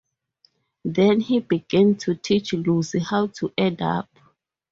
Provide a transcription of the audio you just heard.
Then he began to teach Lucy how to add up.